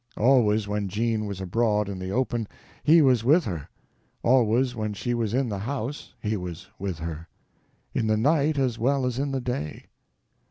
Always when Jean was abroad in the open he was with her; always when she was in the house he was with her, in the night as well as in the day.